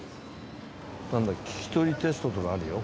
聞き取りテストとかあるよ